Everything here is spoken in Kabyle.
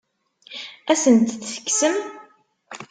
Ad asent-t-tekksem?